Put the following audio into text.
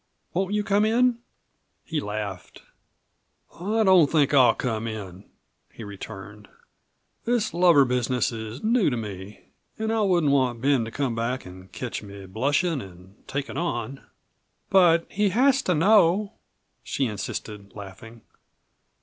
Won't you come in?" He laughed. "I don't think I'll come in," he returned. "This lover business is new to me, an' I wouldn't want Ben to come back an' ketch me blushin' an' takin' on." "But he has to know," she insisted, laughing.